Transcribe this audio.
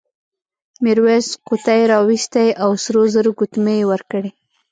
میرويس قوطۍ راوایستې او سرو زرو ګوتمۍ یې ورکړې.